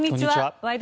「ワイド！